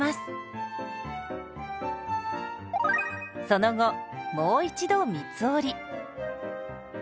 その後もう一度三つ折り。